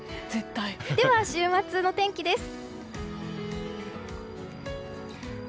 では、週末の天気です。